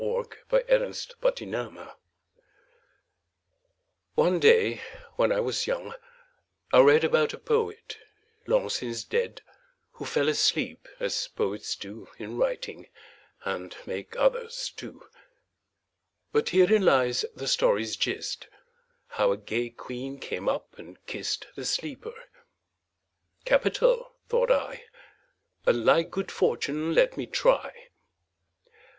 XXIX THE POET WHO SLEEPS One day, when I was young, I read About a poet, long since dead, Who fell asleep, as poets do In writing and make others too. But herein lies the story's gist, How a gay queen came up and kist The sleeper. 'Capital!' thought I. 'A like good fortune let me try.'